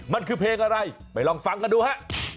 มันคือเพลงอะไรไปลองฟังกันดูฮะ